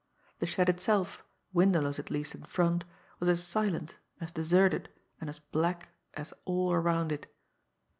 The shed itself, windowless at least in front, was as silent, as deserted, and as black as all around it.